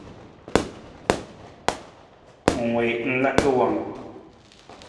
Ng wii ng laka wang ?